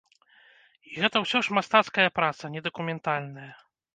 І гэта ўсё ж мастацкая праца, не дакументальная.